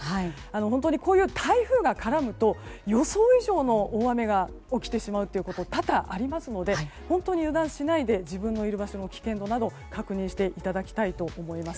本当にこういう台風が絡むと予想以上の大雨が起きてしまうことが多々ありますので本当に油断しないで自分のいる場所の危険度を確認していただきたいと思います。